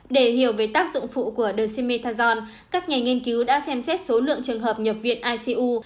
để hiểu về tác dụng phụ của dem metajon các nhà nghiên cứu đã xem xét số lượng trường hợp nhập viện icu